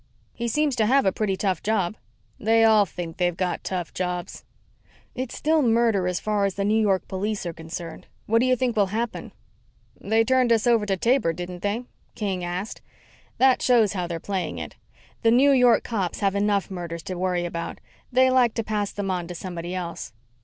"He seems to have a pretty tough job." "They all think they've got tough jobs." "It's still a murder as far as the New York police are concerned. What do you think will happen?" "They turned us over to Taber, didn't they?" King asked. "That shows how they're playing it. The New York cops have enough murders to worry about. They like to pass them on to somebody else."